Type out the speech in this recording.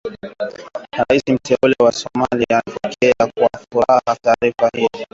Rais Mteule wa Somalia amepokea kwa furaha taarifa ya Marekani kupambana dhidi ya waasi